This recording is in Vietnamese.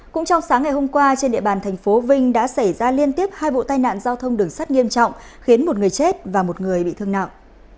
cũng trong sáng ngày hôm qua trên địa bàn thành phố vinh đã xảy ra liên tiếp hai vụ tai nạn giao thông đường sắt nghiêm trọng khiến một người chết và một người bị thương nặng